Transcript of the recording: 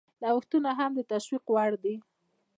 نوښتونه هم د تشویق وړ دي.